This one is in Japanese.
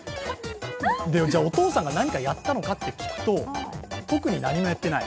お父さんが何かやったのかと聞くと、特に何もやっていない。